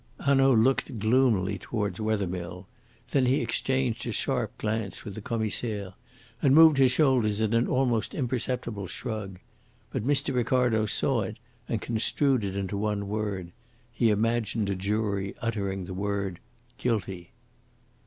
Hanaud looked gloomily towards Wethermill. Then he exchanged a sharp glance with the Commissaire, and moved his shoulders in an almost imperceptible shrug. But Mr. Ricardo saw it, and construed it into one word. He imagined a jury uttering the word "Guilty."